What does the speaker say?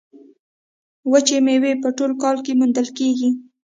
وچې میوې په ټول کال کې موندل کیږي.